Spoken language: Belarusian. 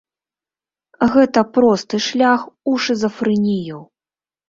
Гэта просты шлях у шызафрэнію.